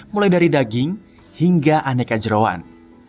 mulai dari daging hingga aneka jerawan